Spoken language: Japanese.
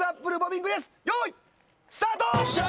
よいスタート！